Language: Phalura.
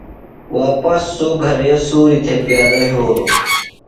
واپس سوۡ گھرے سُوریۡ تھےۡ پیادہ یھولوۡ۔